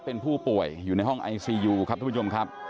เป็นผู้ป่วยอยู่ในห้องไอซียูครับทุกผู้ชมครับ